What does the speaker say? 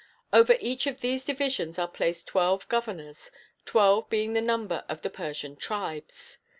Over each of these divisions are placed twelve governors, twelve being the number of the Persian tribes.